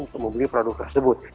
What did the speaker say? untuk membeli produk tersebut